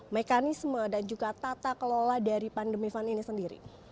mekanisme dan juga tata kelola dari pandemi fund ini sendiri